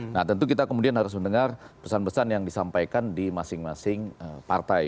nah tentu kita kemudian harus mendengar pesan pesan yang disampaikan di masing masing partai